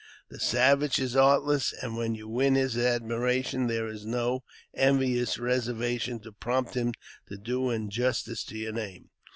The savage is artless, and when you win his admiration there is no envious reservation to prompt him to do injustice to your name.